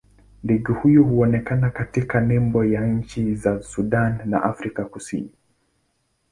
Ndege huyu huonekana katika nembo ya nchi za Sudan na Afrika Kusini.